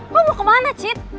gua mau kemana cid